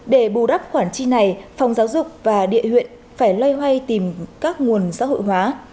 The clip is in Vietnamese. để bù đắp khoản chi này phòng giáo dục và địa huyện phải loay hoay tìm các nguồn xã hội hóa